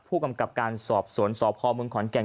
ผู้กำกับการสอบศวนสอบภอมก์มรึงข่อนแก่ง